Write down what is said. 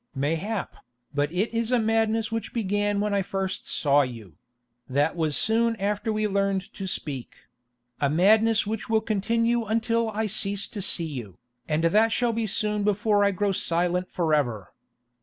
"Mayhap, but it is a madness which began when first I saw you—that was soon after we learned to speak—a madness which will continue until I cease to see you, and that shall be soon before I grow silent forever.